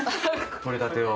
取れたてを。